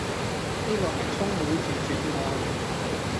呢個係充滿住絕望